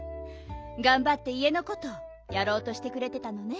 がんばっていえのことやろうとしてくれてたのね。